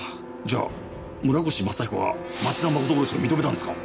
じゃあ村越正彦は町田誠殺しを認めたんですか？